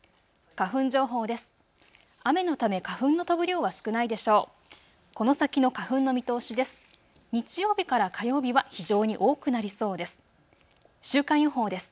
花粉情報です。